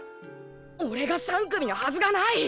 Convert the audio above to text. おれが３組のはずがない！